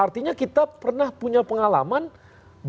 artinya kita pernah punya pengalaman